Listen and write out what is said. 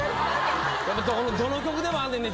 どの曲でもあんねんね。